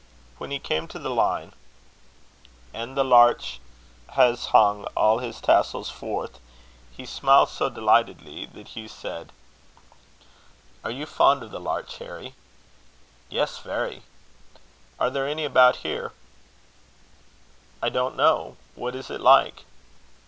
When he came to the line, "And the larch has hung all his tassels forth," he smiled so delightedly, that Hugh said: "Are you fond of the larch, Harry?" "Yes, very." "Are there any about here?" "I don't know. What is it like?"